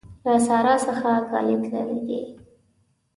له سارا څخه کالي تللي دي.